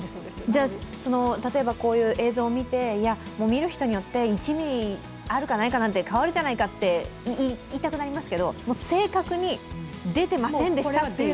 例えばこういう映像を見て見る人によって１ミリあるかないかなんて変わるじゃないかって言いたくなりますけど、正確に出てませんでしたっていう。